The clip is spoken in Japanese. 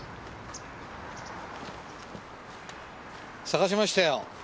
捜しましたよ。